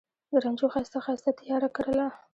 د رنجو ښایسته، ښایسته تیاره کرله